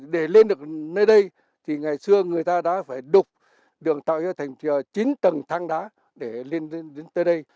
để lên được nơi đây thì ngày xưa người ta đã phải đục đường tạo ra thành chín tầng thang đá để lên tới đây